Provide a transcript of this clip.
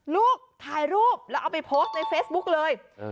ลูกถ่ายรูปแล้วเอาไปโพสต์ในเฟซบุ๊กเลย